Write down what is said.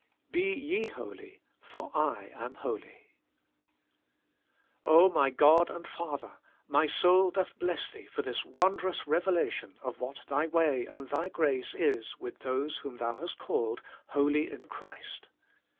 BE YE HOLY, FOR I AM HOLY. O my God and Father ! my soul doth bless Thee for this wondrous revelation of what Thy way and Thy grace is with those whom Thou hast called ' Holy in Christ.'